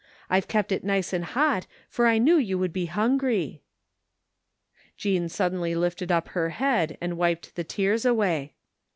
I've kept it nice and hot for I knew you would be himgry." Jean suddenly lifted up her head and wiped the tears away.